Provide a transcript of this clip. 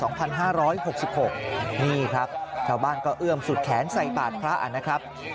นี่ครับชาวบ้านก็เอื้อมสุดแขนใส่บาทพระนะครับ